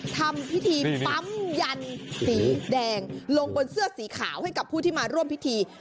ทำพิธีปั๊มยันสีแดงลงบนเสื้อสีขาวให้กับผู้ที่มาร่วมพิธี